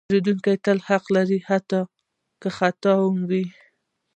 پیرودونکی تل حق لري، حتی که خطا وي.